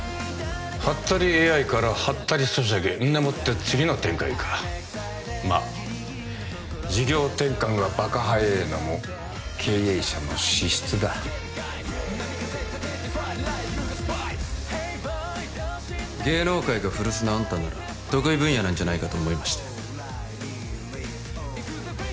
ハッタリＡＩからハッタリソシャゲんでもって次の展開かまあ事業転換がバカ早えのも経営者の資質だ芸能界が古巣のあんたなら得意分野なんじゃないかと思いまして